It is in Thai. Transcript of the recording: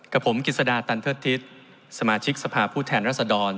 กับผมกิชสาดาตันเทพศิษย์สมาชิกสภาพผู้แทน